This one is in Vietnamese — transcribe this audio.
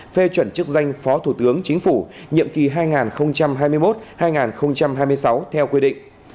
phê chuẩn chức danh phó thủ tướng chính phủ nhiệm kỳ hai nghìn hai mươi một hai nghìn hai mươi sáu theo quy định